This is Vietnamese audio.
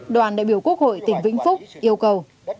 đoàn đại biểu quốc hội tỉnh vĩnh phúc yêu cầu